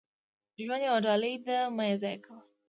• ژوند یوه ډالۍ ده، مه یې ضایع کوه.